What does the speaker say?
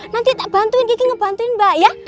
nanti tak bantuin kiki ngebantuin mbak ya